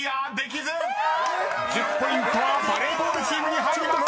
［１０ポイントはバレーボールチームに入ります！］